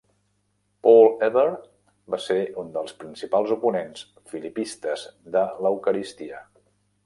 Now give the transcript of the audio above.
Paul Eber va ser un dels principals oponents philippistes de l'eucaristia.